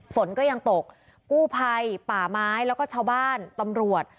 ฝนก็ยังตกกู้ภัยป่าไม้แล้วก็ชาวบ้านตำรวจ